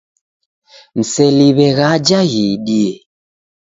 Mseliw'e ghaja ghiidie.